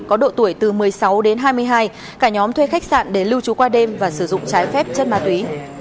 có độ tuổi từ một mươi sáu đến hai mươi hai cả nhóm thuê khách sạn để lưu trú qua đêm và sử dụng trái phép chất ma túy